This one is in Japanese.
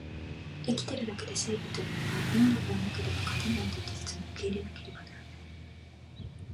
生きてるだけで正義というが、能力がなければ勝てないという事実も受け入れなければならない